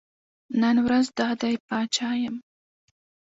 نن ورځ دا دی پاچا یم.